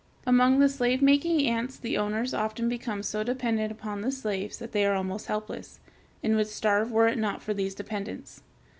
] Among the slave making ants the owners often become so dependent upon the slaves that they are almost helpless, and would starve were it not for these dependents.